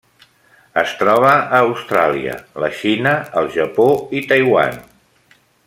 Es troba a Austràlia, la Xina, el Japó i Taiwan.